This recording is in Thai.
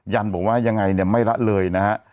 ันบอกว่ายังไงเนี่ยไม่ละเลยนะฮะ